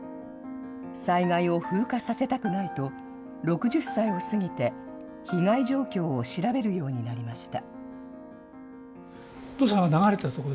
災害を風化させたくないと６０歳を過ぎて、被害状況を調べるようになりました。